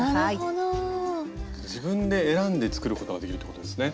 自分で選んで作ることができるってことですね。